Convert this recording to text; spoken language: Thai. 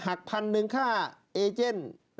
หัก๑๐๐๐ค่ะเอเจน